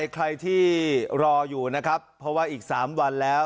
ใครที่รออยู่นะครับเพราะว่าอีก๓วันแล้ว